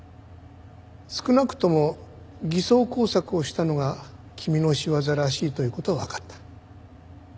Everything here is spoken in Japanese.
少なくとも偽装工作をしたのが君の仕業らしいという事はわかった。